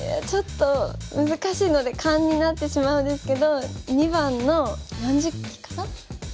ちょっと難しいので勘になってしまうんですけど２番の４０期かな。